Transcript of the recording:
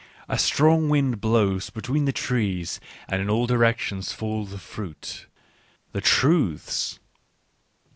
A strong wind blows between the trees and in all directions fall the fruit — the truths.